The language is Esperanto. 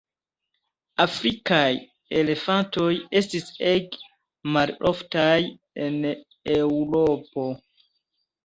Afrikaj elefantoj estis ege maloftaj en Eŭropo.